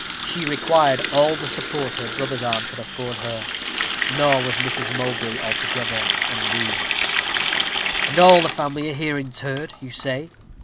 She required all the support her brother's arm could afford her; nor was Mrs. Mowbray altogether unmoved. "And all the family are here interred, you say?"